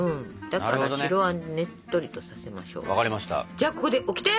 じゃあここでオキテ！